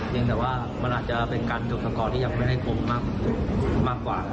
เพียงแต่ว่ามันอาจจะเป็นการจบตะกอดที่ยังไม่ได้คงมาก